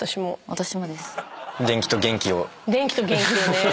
電気と元気をね。